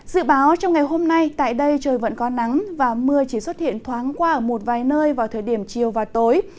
dự báo trong ngày hôm nay tại đây trời vẫn có nắng và mưa chỉ xuất hiện thoáng qua ở một vài nơi vào thời điểm chiều và tối